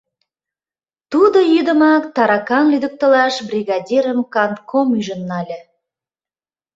Тудо йӱдымак таракан лӱдыктылаш бригадирым кантком ӱжын нале.